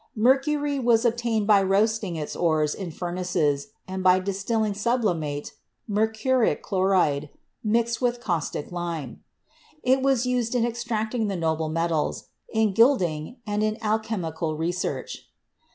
Mercury was obtained by roasting its ores in furnaces and by distilling sublimate (mercuric chloride) mixed with caustic lime; it was used in extracting the noble metals, in gilding, and in alchemical research.